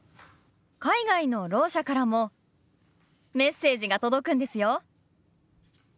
海外のろう者からもメッセージが届くんですよ。